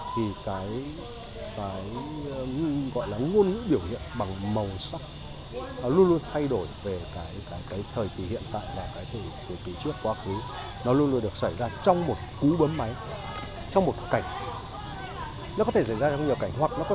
vì năm trước đó